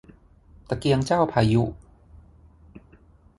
ตะเกียงเจ้าพายุ